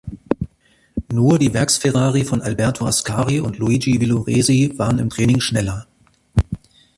Nur die Werks-Ferrari von Alberto Ascari und Luigi Villoresi waren im Training schneller.